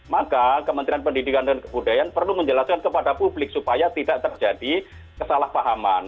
maka kementerian pendidikan dan kebudayaan perlu menjelaskan kepada publik supaya tidak terjadi kesalahpahaman